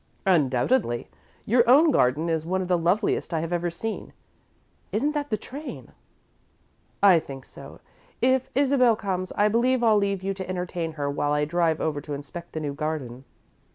"Undoubtedly. Your own garden is one of the loveliest I have ever seen. Isn't that the train?" "I think so. If Isabel comes, I believe I'll leave you to entertain her while I drive over to inspect the new garden."